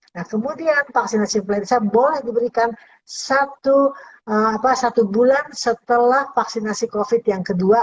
nah kemudian vaksinasi influenza boleh diberikan satu bulan setelah vaksinasi covid yang kedua